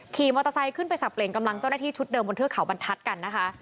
ขี่มอเตอร์ไซค์ขึ้นไปสับเปลี่ยนกำลังเจ้าหน้าที่ชุดเดิมบนเทือกเขาบรรทัศน์กันนะคะ